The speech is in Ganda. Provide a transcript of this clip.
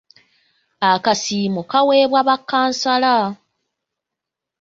Akasiimo kaweebwa ba kkansala.